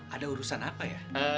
ada urusan apa ya